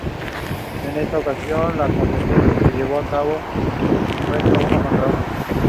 Its units were part of the original three division New Iraqi Army.